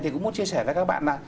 thì cũng muốn chia sẻ với các bạn là